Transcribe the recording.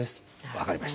分かりました。